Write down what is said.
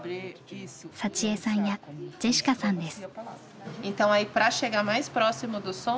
サチエさんやジェシカさんです。